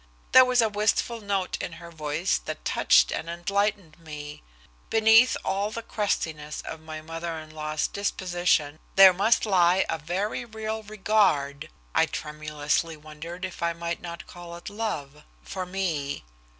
There was a wistful note in her voice that touched and enlightened me. Beneath all the crustiness of my mother in law's disposition there must lie a very real regard I tremulously wondered if I might not call it love for me.